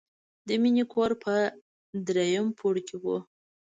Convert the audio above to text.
د مینې کور په دریم پوړ کې و